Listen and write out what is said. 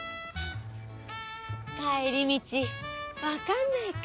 帰り道わかんないか。